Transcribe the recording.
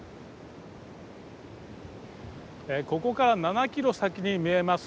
ここから７ｋｍ先に見えます